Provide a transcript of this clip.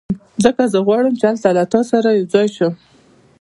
ځکه زه غواړم چې هلته له تا سره یو ځای شم